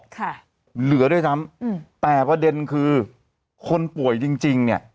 ค่ะเหลือด้วยซ้ำอืมแต่ประเด็นคือคนป่วยจริงจริงเนี้ย